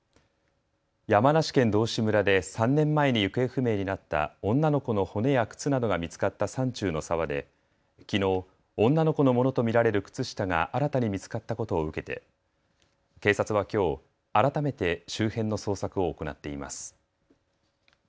山梨県道志村で３年前に行方不明になった女の子の骨や靴などが見つかった山中の沢できのう、女の子のものと見られる靴下が新たに見つかったことを受けて警察はきょう改めて周辺の捜索を行っています。